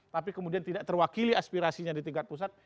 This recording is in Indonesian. tapi kemudian tidak terwakili aspirasinya di tingkat pusat